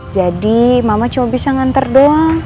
jadi mama cuma bisa nganter doang